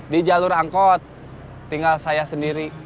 di jalur angkot tinggal saya sendiri